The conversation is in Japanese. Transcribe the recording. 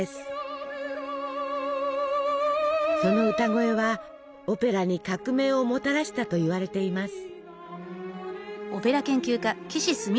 その歌声はオペラに革命をもたらしたといわれています。